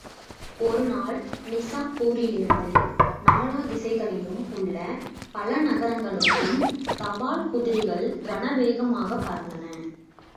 ஒருநாள் நிசாப்பூரிலிருந்து நாலாதிசைகளிலும் உள்ள பல நகரங்களுக்கும் தபால் குதிரைகள் கனவேகமாகப் பறந்தன.